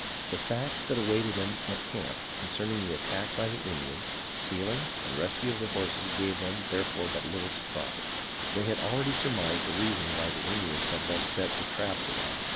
The facts that awaited them at camp concerning the attack by the Indians, stealing and rescue of the horses gave them therefore but little surprise. They had already surmised the reason why the Indians had thus set a trap for them.